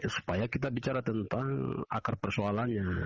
supaya kita bicara tentang akar persoalannya